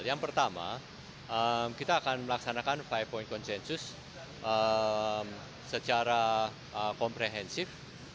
yang pertama kita akan melaksanakan lima point konsensus secara komprehensif